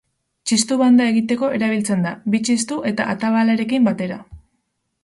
Txistu banda egiteko erabiltzen da, bi txistu eta atabalarekin batera.